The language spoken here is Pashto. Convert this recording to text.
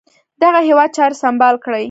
دغه هیواد چاري سمبال کړي.